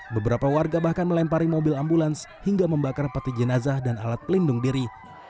beberapa warga bahkan melempari mobil ambulans hingga membakar peti jenazah dan alat pelindung diri